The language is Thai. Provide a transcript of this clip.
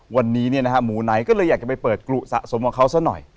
วันนี้หมูไนท์ก็เลยอยากจะไปเปิดกรุสะสมของเขาซะหน่อย